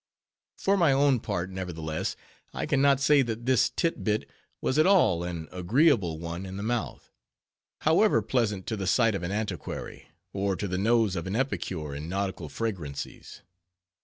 _ For my own part, nevertheless, I can not say that this tit bit was at all an agreeable one in the mouth; however pleasant to the sight of an antiquary, or to the nose of an epicure in nautical fragrancies.